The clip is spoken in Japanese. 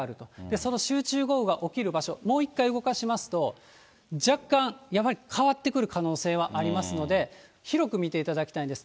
その集中豪雨が起きる場所、もう一回動かしますと、若干、やはり変わってくる可能性はありますので、広く見ていただきたいんです。